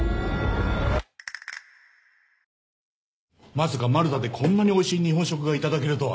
まさかマルタでこんなにおいしい日本食がいただけるとは。